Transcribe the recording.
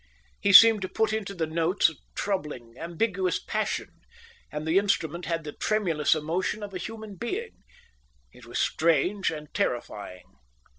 He seemed to put into the notes a troubling, ambiguous passion, and the instrument had the tremulous emotion of a human being. It was strange and terrifying.